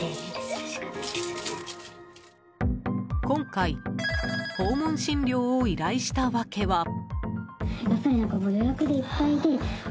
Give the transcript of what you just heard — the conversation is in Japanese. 今回、訪問診療を依頼した訳は。